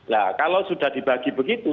nah kalau sudah dibagi begitu